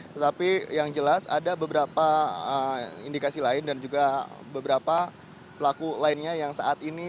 tetapi yang jelas ada beberapa indikasi lain dan juga beberapa pelaku lainnya yang saat ini